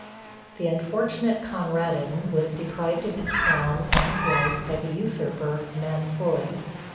The unfortunate Conradin was deprived of his crown and his life by the usurper Mainfroy.